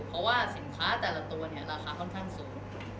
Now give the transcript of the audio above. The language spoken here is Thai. เพราะว่าสินค้าแต่ละตัวเนี่ยราคาค่อนข้างสูง